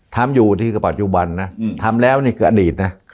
ทำอยู่นี่คือปัจจุบันนะทำแล้วนี่คืออดีตนะ